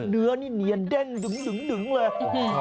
เนื้อนี่เนียนเด้งดึงเลย